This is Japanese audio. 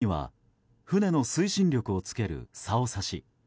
船の前方には船の推進力をつけるさおさし。